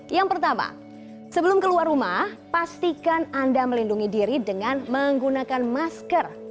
yang pertama sebelum keluar rumah pastikan anda melindungi diri dengan menggunakan masker